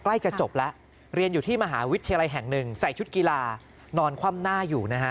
ใกล้จะจบแล้วเรียนอยู่ที่มหาวิทยาลัยแห่งหนึ่งใส่ชุดกีฬานอนคว่ำหน้าอยู่นะฮะ